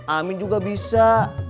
amin juga bisa